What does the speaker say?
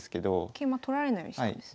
桂馬取られないようにしたんですね。